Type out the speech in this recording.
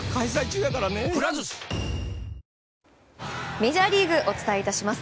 メジャーリーグお伝えいたします。